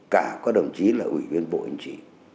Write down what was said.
cả có đồng chí là ủy viên bộ anh chị